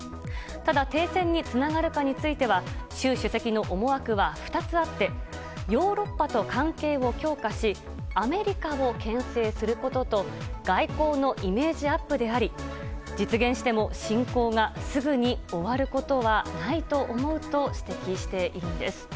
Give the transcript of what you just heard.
ただ停戦につながるかについては習主席の思惑は２つあってヨーロッパと関係を強化しアメリカをけん制することと外交のイメージアップであり実現しても侵攻がすぐに終わることはないと思うと指摘しているんです。